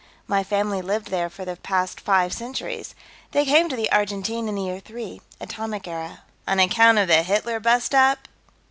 My family lived there for the past five centuries. They came to the Argentine in the Year Three, Atomic Era." "On account of the Hitler bust up?"